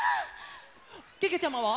けけちゃまは？